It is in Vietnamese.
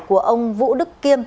của ông vũ đức kiêm